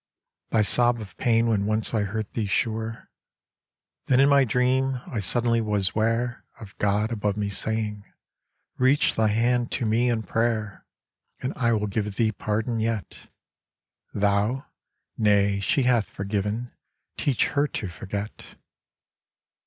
Thy sob of pain when once I hurt thee sure. Then in my dream I suddenly was ware Of God above me saying: "Reach Thy hand to Me in prayer, And I will give thee pardon yet." Thou? Nay, she hath forgiven, teach Her to forget.